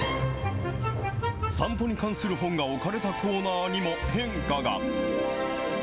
散歩に関する本が置かれたコーナーにも変化が。